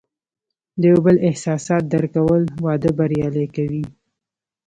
د یو بل احساسات درک کول، واده بریالی کوي.